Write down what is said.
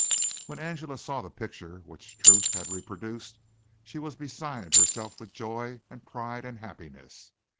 When Angela saw the picture which Truth had reproduced, she was beside herself with joy and pride and happiness.